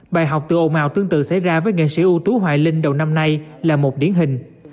bài học từ ồ mào tương tự xảy ra với nghệ sĩ ưu tú hoài linh đầu năm nay là một điển hình